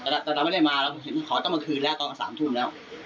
แต่เราไม่ได้มาเราขอต้นเมื่อคืนแล้วตอนกว่า๓ทุ่มแล้ว